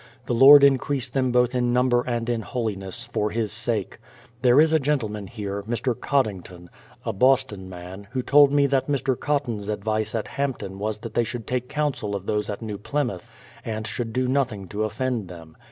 The Lord increase them both in number and in hohness, for His sake. There is a gentlemen here, Mr. Coddington, a Boston man, who told me that Mr. Cotton's advice at Hampton was that they should take counsel of those at New Plymouth, and should do nothing to offend them.